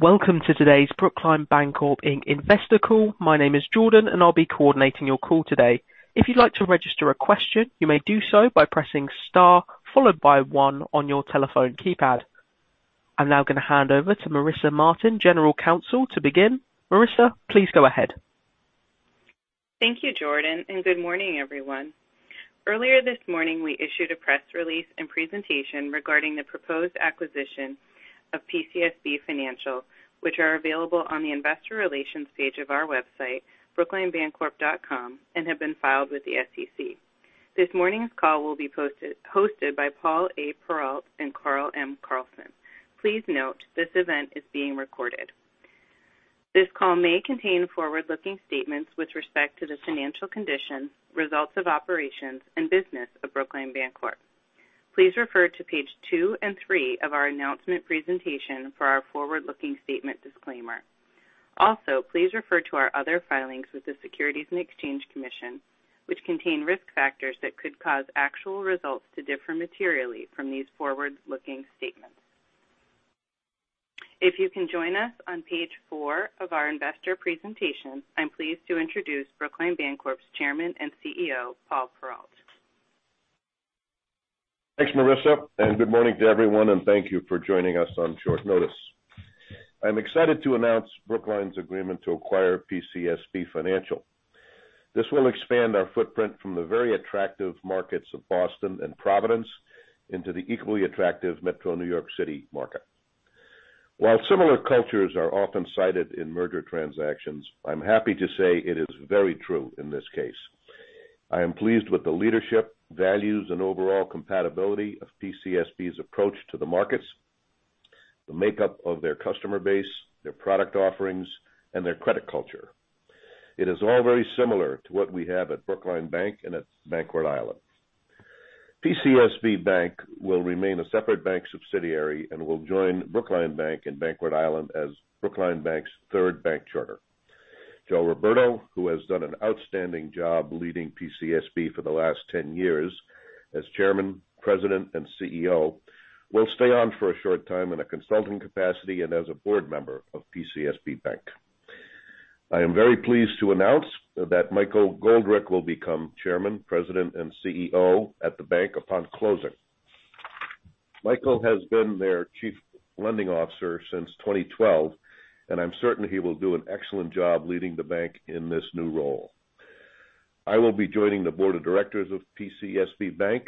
Welcome to today's Brookline Bancorp, Inc. Investor Call. My name is Jordan, and I'll be coordinating your call today. If you'd like to register a question, you may do so by pressing star followed by one on your telephone keypad. I'm now gonna hand over to Marissa Martin, General Counsel to begin. Marissa, please go ahead. Thank you, Jordan, and good morning, everyone. Earlier this morning, we issued a press release and presentation regarding the proposed acquisition of PCSB Financial, which are available on the investor relations page of our website, brooklinebancorp.com, and have been filed with the SEC. This morning's call will be hosted by Paul A. Perrault and Carl M. Carlson. Please note, this event is being recorded. This call may contain forward-looking statements with respect to the financial condition, results of operations, and business of Brookline Bancorp. Please refer to page two and three of our announcement presentation for our forward-looking statement disclaimer. Also, please refer to our other filings with the Securities and Exchange Commission, which contain risk factors that could cause actual results to differ materially from these forward-looking statements. If you can join us on page four of our investor presentation, I'm pleased to introduce Brookline Bancorp's Chairman and CEO, Paul Perrault. Thanks, Marissa, and good morning to everyone, and thank you for joining us on short notice. I'm excited to announce Brookline's agreement to acquire PCSB Financial. This will expand our footprint from the very attractive markets of Boston and Providence into the equally attractive Metro New York City market. While similar cultures are often cited in merger transactions, I'm happy to say it is very true in this case. I am pleased with the leadership, values, and overall compatibility of PCSB's approach to the markets, the makeup of their customer base, their product offerings, and their credit culture. It is all very similar to what we have at Brookline Bank and at Bank Rhode Island. PCSB Bank will remain a separate bank subsidiary and will join Brookline Bank and Bank Rhode Island as Brookline Bank's third bank charter. Joe Roberto, who has done an outstanding job leading PCSB for the last 10 years as chairman, president, and CEO, will stay on for a short time in a consulting capacity and as a board member of PCSB Bank. I am very pleased to announce that Michael Goldrick will become chairman, president, and CEO at the bank upon closing. Michael has been their chief lending officer since 2012, and I'm certain he will do an excellent job leading the bank in this new role. I will be joining the Board of Directors of PCSB Bank,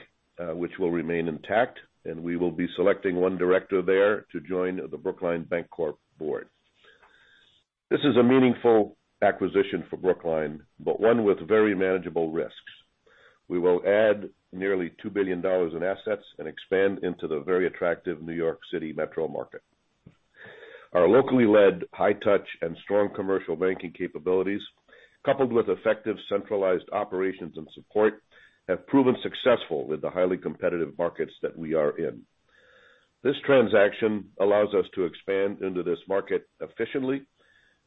which will remain intact, and we will be selecting one director there to join the Brookline Bancorp Board. This is a meaningful acquisition for Brookline, but one with very manageable risks. We will add nearly $2 billion in assets and expand into the very attractive New York City metro market. Our locally led high touch and strong commercial banking capabilities, coupled with effective centralized operations and support, have proven successful with the highly competitive markets that we are in. This transaction allows us to expand into this market efficiently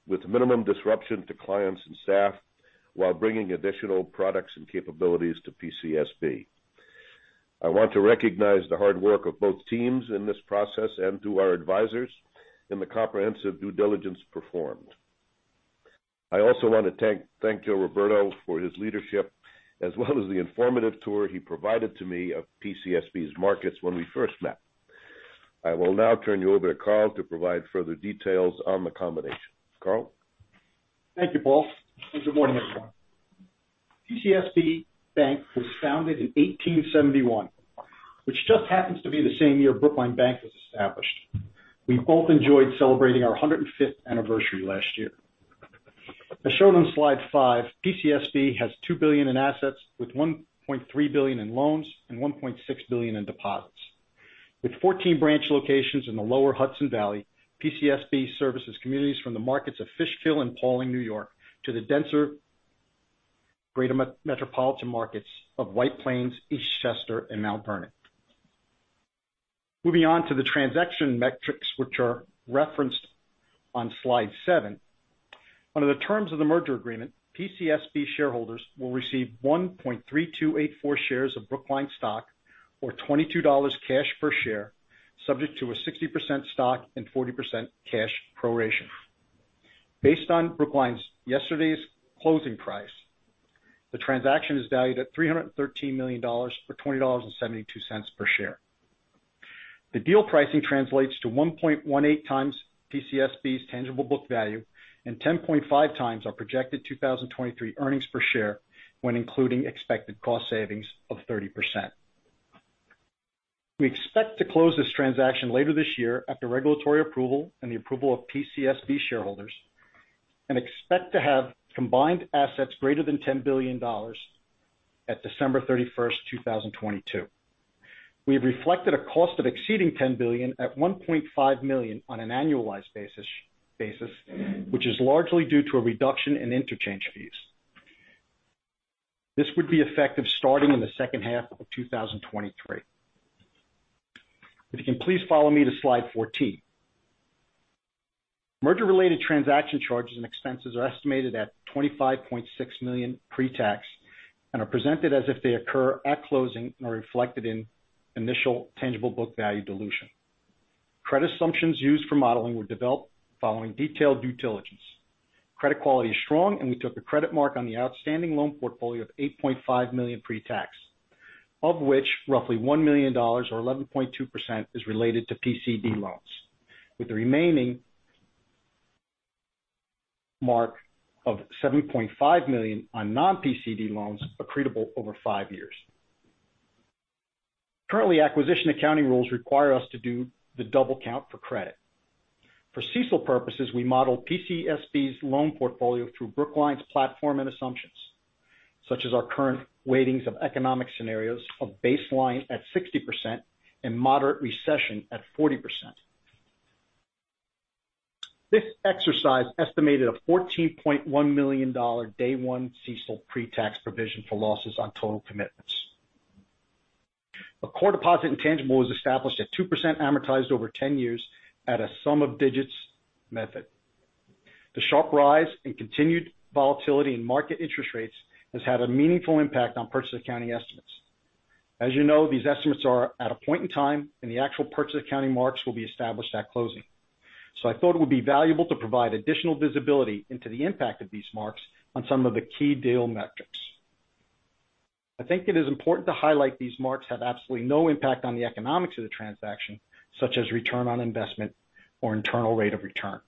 with minimum disruption to clients and staff while bringing additional products and capabilities to PCSB. I want to recognize the hard work of both teams in this process and to our advisors in the comprehensive due diligence performed. I also want to thank Joe Roberto for his leadership as well as the informative tour he provided to me of PCSB's markets when we first met. I will now turn you over to Carl to provide further details on the combination. Carl. Thank you, Paul, and good morning, everyone. PCSB Bank was founded in 1871, which just happens to be the same year Brookline Bank was established. We both enjoyed celebrating our 105th anniversary last year. As shown on slide five, PCSB has $2 billion in assets with $1.3 billion in loans and $1.6 billion in deposits. With 14 branch locations in the Lower Hudson Valley, PCSB services communities from the markets of Fishkill and Pawling, New York, to the denser greater metropolitan markets of White Plains, Eastchester, and Mount Vernon. Moving on to the transaction metrics, which are referenced on slide seven. Under the terms of the merger agreement, PCSB shareholders will receive 1.3284 shares of Brookline stock or $22 cash per share, subject to a 60% stock and 40% cash proration. Based on Brookline's yesterday's closing price, the transaction is valued at $313 million or $20.72 per share. The deal pricing translates to 1.18x PCSB's tangible book value and 10.5x our projected 2023 earnings per share when including expected cost savings of 30%. We expect to close this transaction later this year after regulatory approval and the approval of PCSB shareholders and expect to have combined assets greater than $10 billion at December 31st, 2022. We have reflected a cost of exceeding $10 billion at $1.5 million on an annualized basis, which is largely due to a reduction in interchange fees. This would be effective starting in the second half of 2023. If you can please follow me to slide 14. Merger-related transaction charges and expenses are estimated at $25.6 million pre-tax and are presented as if they occur at closing and are reflected in initial tangible book value dilution. Credit assumptions used for modeling were developed following detailed due diligence. Credit quality is strong and we took a credit mark on the outstanding loan portfolio of $8.5 million pre-tax, of which roughly $1 million or 11.2% is related to PCD loans, with the remaining mark of $7.5 million on non-PCD loans accretable over five years. Currently, acquisition accounting rules require us to do the double count for credit. For CECL purposes, we model PCSB's loan portfolio through Brookline's platform and assumptions, such as our current weightings of economic scenarios of baseline at 60% and moderate recession at 40%. This exercise estimated a $14.1 million day one CECL pre-tax provision for losses on total commitments. A core deposit intangible was established at 2% amortized over 10 years at a sum of digits method. The sharp rise in continued volatility in market interest rates has had a meaningful impact on purchase accounting estimates. As you know, these estimates are at a point in time, and the actual purchase accounting marks will be established at closing. I thought it would be valuable to provide additional visibility into the impact of these marks on some of the key deal metrics. I think it is important to highlight these marks have absolutely no impact on the economics of the transaction, such as return on investment or internal rate of return.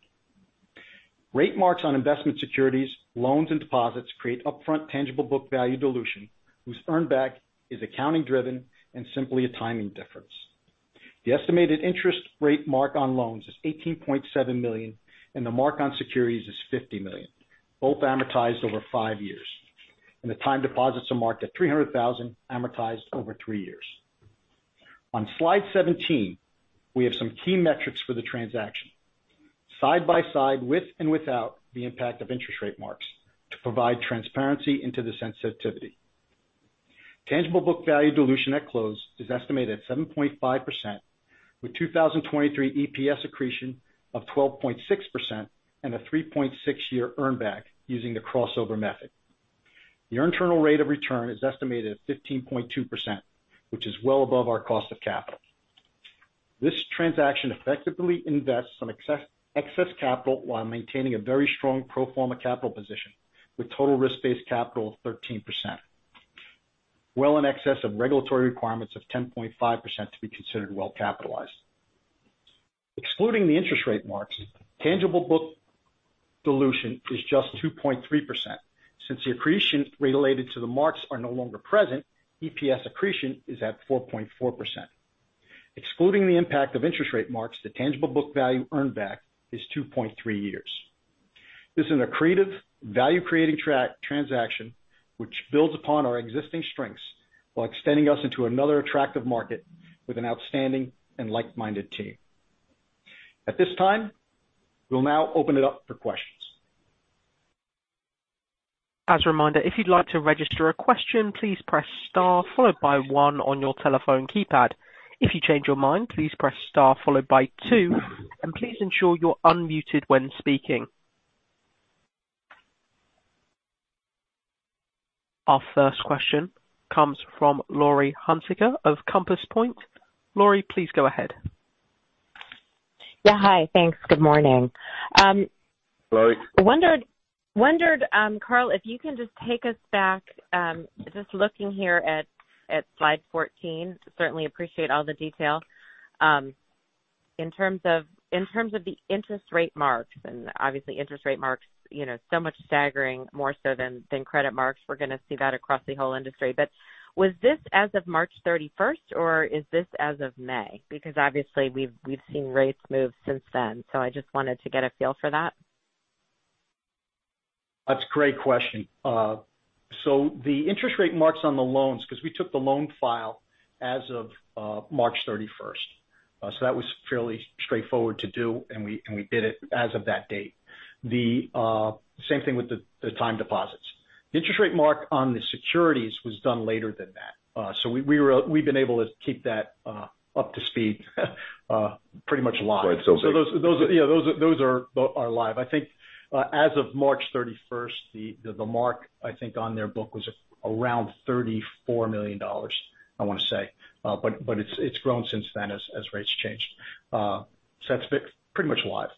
Rate marks on investment securities, loans, and deposits create upfront tangible book value dilution, whose earn back is accounting driven and simply a timing difference. The estimated interest rate mark on loans is $18.7 million, and the mark on securities is $50 million, both amortized over five years. The time deposits are marked at $300,000, amortized over three years. On slide 17, we have some key metrics for the transaction. Side by side with and without the impact of interest rate marks to provide transparency into the sensitivity. Tangible book value dilution at close is estimated at 7.5% with 2023 EPS accretion of 12.6% and a 3.6-year earn back using the crossover method. The internal rate of return is estimated at 15.2%, which is well above our cost of capital. This transaction effectively invests some excess capital while maintaining a very strong pro forma capital position with total risk-based capital of 13%. Well in excess of regulatory requirements of 10.5% to be considered well capitalized. Excluding the interest rate marks, tangible book dilution is just 2.3%. Since the accretion related to the marks are no longer present, EPS accretion is at 4.4%. Excluding the impact of interest rate marks, the tangible book value earned back is 2.3 years. This is an accretive value-creating transaction which builds upon our existing strengths while extending us into another attractive market with an outstanding and like-minded team. At this time, we'll now open it up for questions. As a reminder, if you'd like to register a question, please press star followed by one on your telephone keypad. If you change your mind, please press star followed by two, and please ensure you're unmuted when speaking. Our first question comes from Laurie Hunsicker of Compass Point. Laurie, please go ahead. Yeah. Hi. Thanks. Good morning. Laurie. Wondered, Carl, if you can just take us back, just looking here at slide 14. Certainly appreciate all the detail. In terms of the interest rate marks, and obviously interest rate marks, you know, so much staggering more so than credit marks. We're gonna see that across the whole industry. Was this as of March 31st or is this as of May? Because obviously we've seen rates move since then. I just wanted to get a feel for that. That's a great question. The interest rate marks on the loans because we took the loan file as of March 31st. That was fairly straightforward to do and we did it as of that date. The same thing with the time deposits. The interest rate mark on the securities was done later than that. We've been able to keep that up to speed pretty much live. Those, you know, are live. I think as of March 31st, the mark I think on their book was around $34 million, I wanna say. It's grown since then as rates change. That's pretty much live.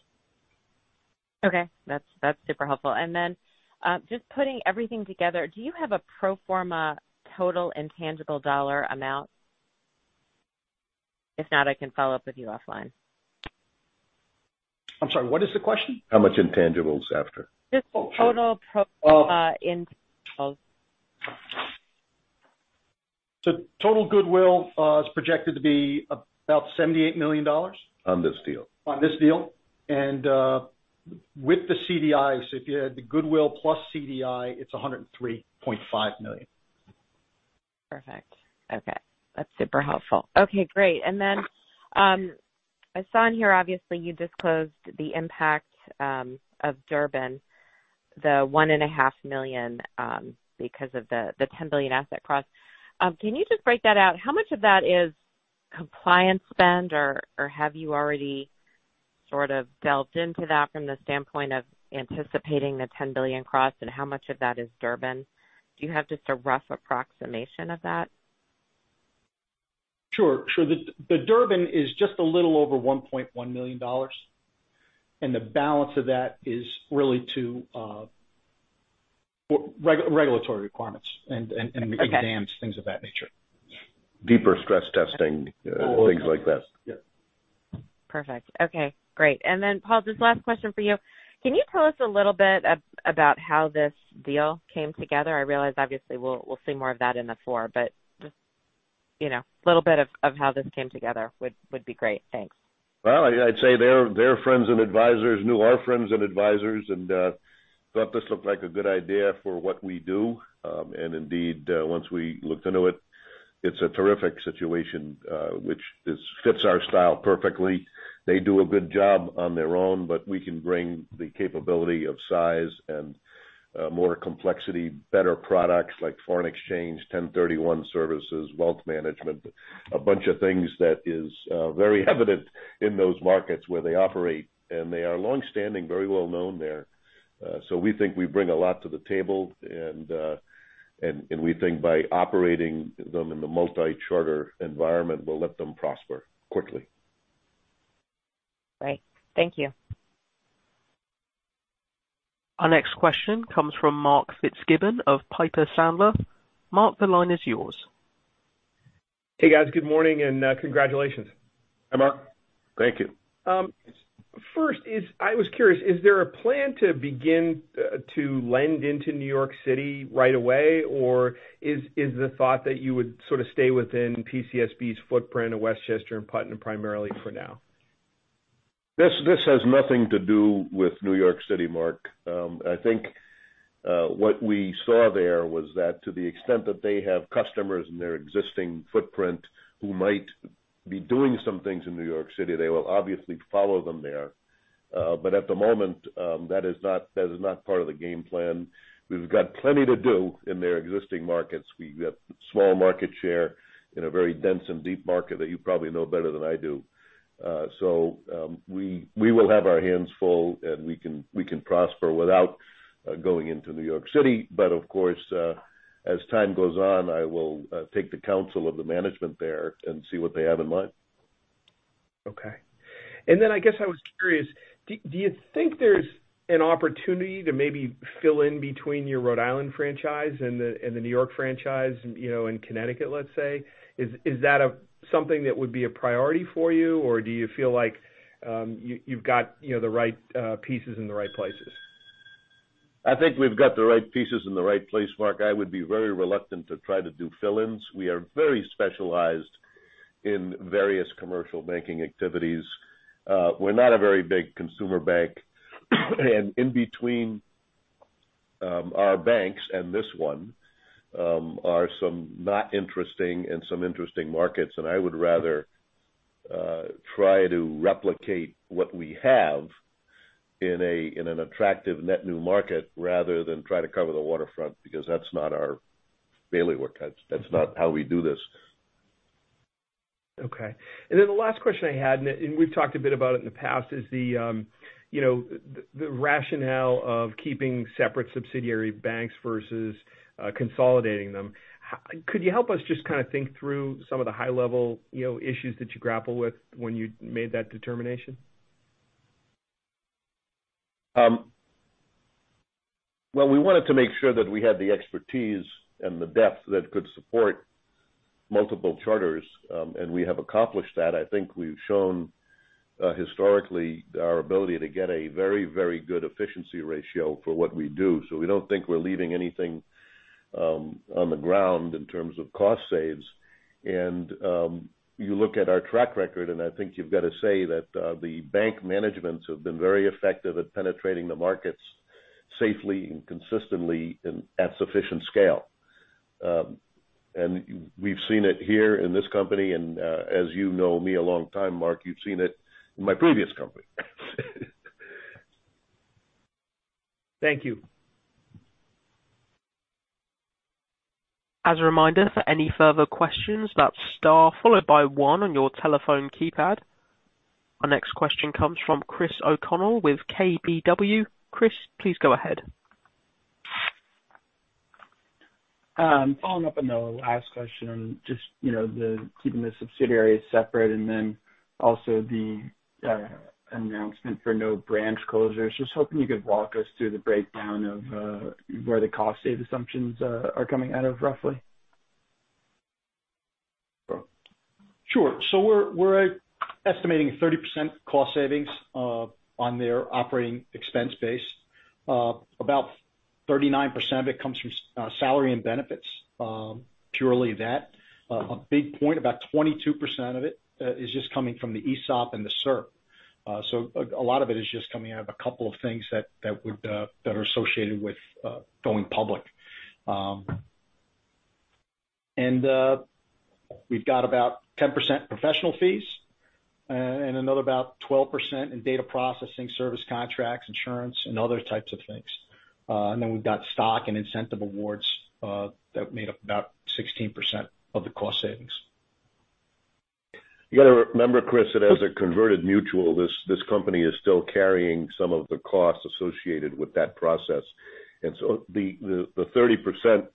Okay. That's super helpful. Just putting everything together, do you have a pro forma total intangible dollar amount? If not, I can follow up with you offline. I'm sorry, what is the question? How much intangibles after? Just total pro forma intangibles. The total goodwill is projected to be about $78 million. On this deal. On this deal. With the CDIs, if you had the goodwill plus CDI, it's $103.5 million. Perfect. Okay. That's super helpful. Okay, great. I saw in here obviously you disclosed the impact of Durbin. The $1.5 million, because of the $10 billion asset cross. Can you just break that out? How much of that is compliance spend, or have you already sort of delved into that from the standpoint of anticipating the $10 billion cross and how much of that is Durbin? Do you have just a rough approximation of that? Sure. The Durbin is just a little over $1.1 million, and the balance of that is really for regulatory requirements and exams, things of that nature. Deeper stress testing, things like that. Yeah. Perfect. Okay, great. Then Paul, just last question for you. Can you tell us a little bit about how this deal came together? I realize obviously we'll see more of that in the S-4, but just, you know, a little bit of how this came together would be great. Thanks. Well, I'd say their friends and advisors knew our friends and advisors and thought this looked like a good idea for what we do. Indeed, once we looked into it's a terrific situation which fits our style perfectly. They do a good job on their own, but we can bring the capability of size and more complexity, better products like foreign exchange, 1031 exchange services, wealth management. A bunch of things that is very evident in those markets where they operate, and they are long-standing, very well known there. We think we bring a lot to the table and we think by operating them in the multi-charter environment will let them prosper quickly. Great. Thank you. Our next question comes from Mark Fitzgibbon of Piper Sandler. Mark, the line is yours. Hey, guys. Good morning and congratulations. Hi, Mark. Thank you. I was curious, is there a plan to begin to lend into New York City right away or is the thought that you would sort of stay within PCSB's footprint of Westchester and Putnam primarily for now? This has nothing to do with New York City, Mark. I think what we saw there was that to the extent that they have customers in their existing footprint who might be doing some things in New York City, they will obviously follow them there. At the moment, that is not part of the game plan. We've got plenty to do in their existing markets. We have small market share in a very dense and deep market that you probably know better than I do. We will have our hands full, and we can prosper without going into New York City. Of course, as time goes on, I will take the counsel of the management there and see what they have in mind. Okay. I guess I was curious, do you think there's an opportunity to maybe fill in between your Rhode Island franchise and the New York franchise, you know, in Connecticut, let's say? Is that something that would be a priority for you, or do you feel like you've got, you know, the right pieces in the right places? I think we've got the right pieces in the right place, Mark. I would be very reluctant to try to do fill-ins. We are very specialized in various commercial banking activities. We're not a very big consumer bank. In between, our banks and this one, are some not interesting and some interesting markets. I would rather try to replicate what we have in an attractive net new market rather than try to cover the waterfront because that's not our daily work. That's not how we do this. Okay. The last question I had, and we've talked a bit about it in the past, is the you know, the rationale of keeping separate subsidiary banks versus consolidating them. Could you help us just kind of think through some of the high level, you know, issues that you grapple with when you made that determination? Well, we wanted to make sure that we had the expertise and the depth that could support multiple charters, and we have accomplished that. I think we've shown, historically our ability to get a very, very good efficiency ratio for what we do. We don't think we're leaving anything on the ground in terms of cost savings. You look at our track record, and I think you've got to say that the bank managements have been very effective at penetrating the markets safely and consistently and at sufficient scale. We've seen it here in this company and, as you know me a long time, Mark, you've seen it in my previous company. Thank you. As a reminder, for any further questions, that's star followed by one on your telephone keypad. Our next question comes from Christopher O'Connell with KBW. Chris, please go ahead. Following up on the last question, just, you know, the keeping the subsidiaries separate and then also the announcement for no branch closures. Just hoping you could walk us through the breakdown of where the cost savings assumptions are coming out of roughly. Sure. We're estimating 30% cost savings on their operating expense base. About 39% of it comes from salary and benefits, purely that. A big point, about 22% of it is just coming from the ESOP and the SRP. A lot of it is just coming out of a couple of things that would that are associated with going public. We've got about 10% professional fees and another about 12% in data processing, service contracts, insurance, and other types of things. We've got stock and incentive awards that made up about 16% of the cost savings. You gotta remember, Chris, that as a converted mutual, this company is still carrying some of the costs associated with that process. The 30%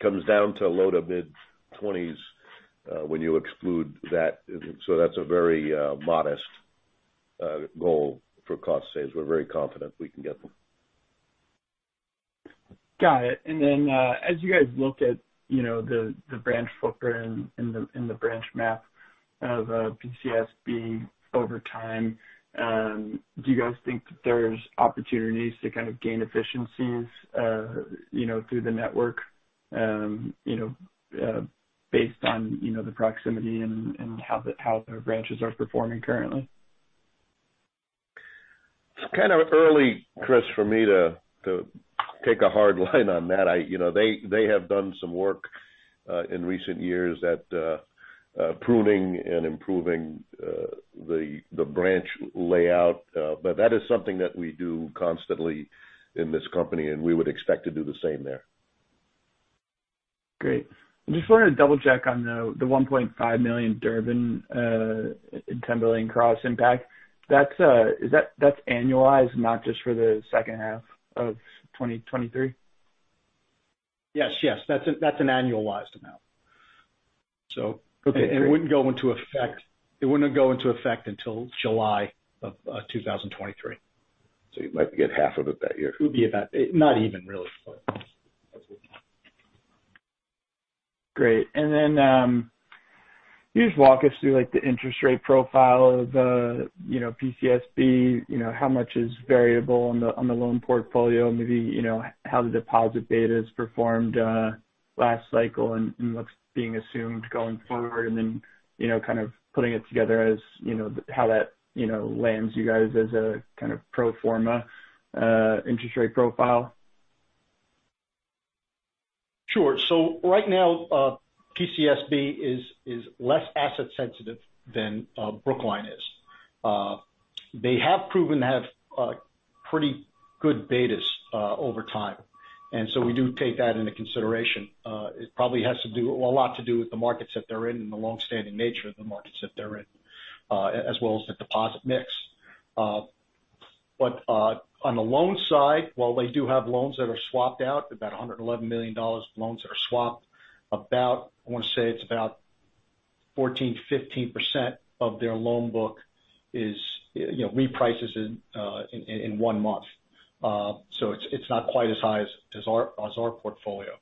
comes down to low- to mid-20s%, when you exclude that. That's a very modest goal for cost saves. We're very confident we can get them. Got it. As you guys look at, you know, the branch footprint and the branch map of PCSB over time, do you guys think that there's opportunities to kind of gain efficiencies, you know, through the network, you know, based on, you know, the proximity and how the branches are performing currently? It's kind of early, Chris, for me to take a hard line on that. You know, they have done some work in recent years at pruning and improving the branch layout. That is something that we do constantly in this company, and we would expect to do the same there. Great. Just wanted to double check on the $1.5 million Durbin and $10 billion cross impact. That's annualized, not just for the second half of 2023? Yes, yes. That's an annualized amount. Okay. It wouldn't go into effect until July of 2023. You might get half of it that year. It would be about. Not even really. Great. Can you just walk us through, like, the interest rate profile of, you know, PCSB? You know, how much is variable on the loan portfolio? Maybe, you know, how the deposits have performed last cycle and what's being assumed going forward. You know, kind of putting it together as, you know, how that, you know, lands you guys as a kind of pro forma interest rate profile? Sure. Right now, PCSB is less asset sensitive than Brookline is. They have proven to have pretty good betas over time. We do take that into consideration. It probably has a lot to do with the markets that they're in and the long-standing nature of the markets that they're in, as well as the deposit mix. On the loan side, while they do have loans that are swapped out, about $111 million of loans that are swapped. About, I wanna say it's about 14%-15% of their loan book is, you know, reprices in one month. It's not quite as high as our portfolio.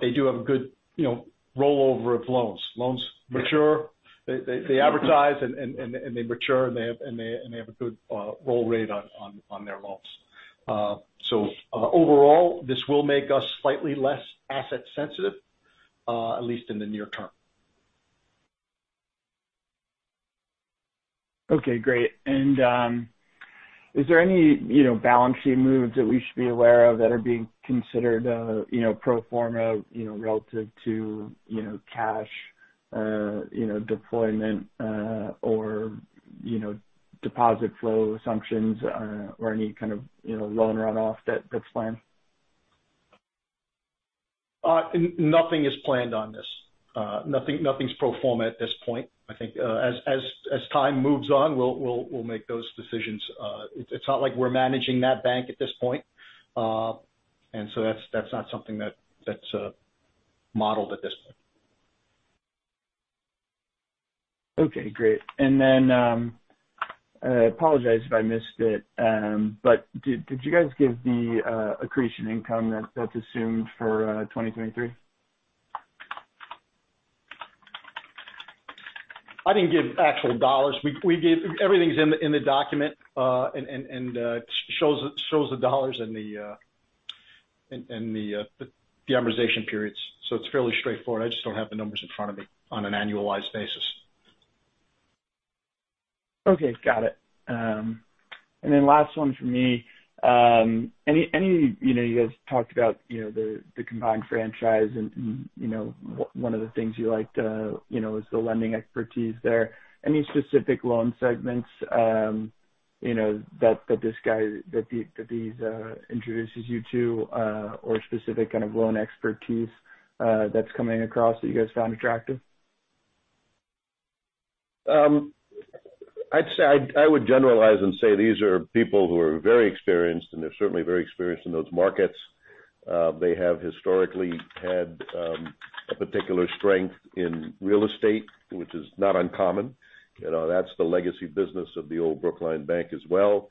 They do have a good, you know, rollover of loans. Loans mature. They amortize and they mature, and they have a good roll rate on their loans. Overall, this will make us slightly less asset sensitive, at least in the near term. Okay, great. Is there any, you know, balance sheet moves that we should be aware of that are being considered, you know, pro forma, you know, relative to, you know, cash, you know, deployment, or, you know, deposit flow assumptions, or any kind of, you know, loan runoff that that's planned? Nothing is planned on this. Nothing's pro forma at this point. I think as time moves on, we'll make those decisions. It's not like we're managing that bank at this point. That's not something that's modeled at this point. Okay, great. I apologize if I missed it, but did you guys give the accretion income that's assumed for 2023? I didn't give actual dollars. Everything's in the document, and it shows the dollars and the amortization periods. It's fairly straightforward. I just don't have the numbers in front of me on an annualized basis. Okay, got it. Last one for me. You know, you guys talked about, you know, the combined franchise and, you know, one of the things you liked, you know, is the lending expertise there. Any specific loan segments, you know, that these introduces you to, or specific kind of loan expertise, that's coming across that you guys found attractive? I would generalize and say these are people who are very experienced, and they're certainly very experienced in those markets. They have historically had a particular strength in real estate, which is not uncommon. You know, that's the legacy business of the old Brookline Bank as well.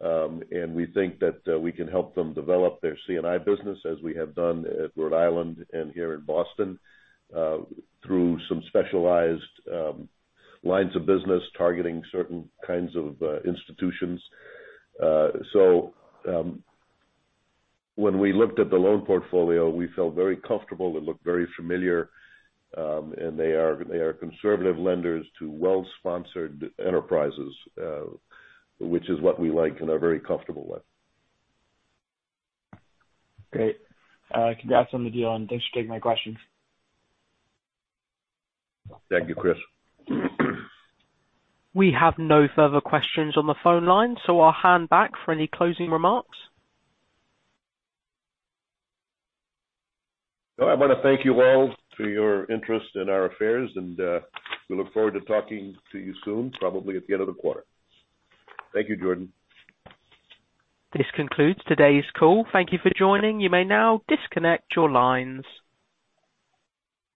We think that we can help them develop their C&I business as we have done at Rhode Island and here in Boston through some specialized lines of business targeting certain kinds of institutions. When we looked at the loan portfolio, we felt very comfortable. It looked very familiar. They are conservative lenders to well-sponsored enterprises, which is what we like and are very comfortable with. Great. Congrats on the deal, and thanks for taking my questions. Thank you, Chris. We have no further questions on the phone line, so I'll hand back for any closing remarks. I want to thank you all for your interest in our affairs, and we look forward to talking to you soon, probably at the end of the quarter. Thank you, Jordan. This concludes today's call. Thank you for joining. You may now disconnect your lines.